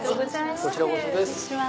こちらこそです。